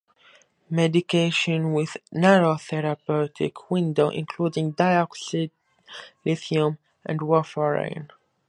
Medications with narrow therapeutic windows include digoxin, lithium, and warfarin.